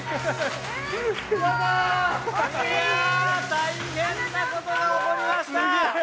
大変なことが起こりました！